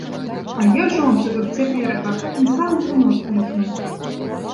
А я жонцы от цяперака гэтым самым у нос тыцну.